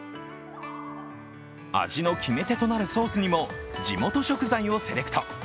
味の決め手となるソースにも地元食材をセレクト。